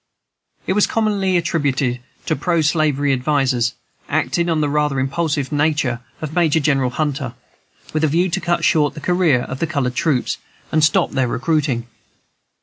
It was commonly attributed to proslavery advisers, acting on the rather impulsive nature of Major General Hunter, with a view to cut short the career of the colored troops, and stop their recruiting.